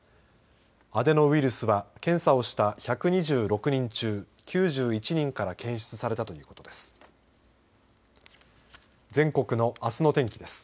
アデノウイルスは検査をした１２６人中９１人から検出されたということです。